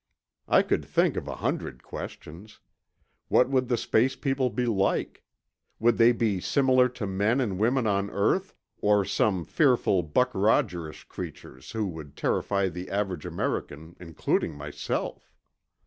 I could think of a hundred questions. What would the space people be like? Would they be similar to men and women on earth, or some fearsome Buck Rogerish creatures who would terrify the average American—including myself?